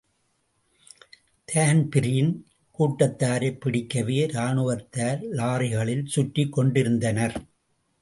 Dan Breen கூட்டத்தாரைப் பிடிக்கவே ராணுவத்தார் லாரிகளில் சுற்றிக் கொண்டிருந்தனர்.